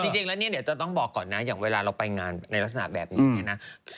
จะต้องบอกก่อนนะอย่างเวลาเราไปงานในลักษณะที่นี้